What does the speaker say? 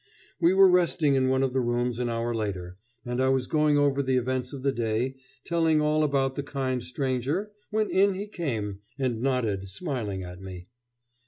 We were resting in one of the rooms an hour later, and I was going over the events of the day, telling all about the kind stranger, when in he came, and nodded, smiling at me.